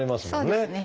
そうですね。